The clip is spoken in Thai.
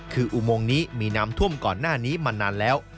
คืออุโมงนี้มีน้ำท่วมก่อนหน้านี้มานานแล้ว